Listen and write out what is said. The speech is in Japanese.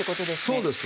そうです。